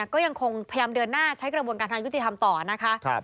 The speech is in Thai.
ก็ยังคงพยายามเดินหน้าใช้กระบวนการทางยุติธรรมต่อนะคะ